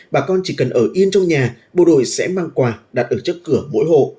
bà con chỉ cần ở yên trong nhà bộ đội sẽ mang quà đặt ở trước cửa mỗi hộ